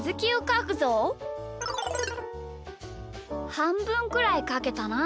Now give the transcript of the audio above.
はんぶんくらいかけたな。